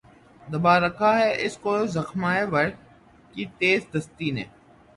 دبا رکھا ہے اس کو زخمہ ور کی تیز دستی نے